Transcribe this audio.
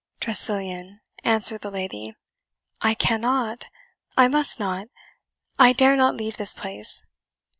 "Tressilian," answered the lady, "I cannot, I must not, I dare not leave this place.